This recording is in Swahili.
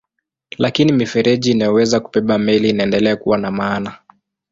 Lakini mifereji inayoweza kubeba meli inaendelea kuwa na maana.